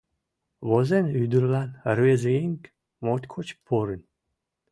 Возен ӱдырлан рвезыеҥ моткоч порын: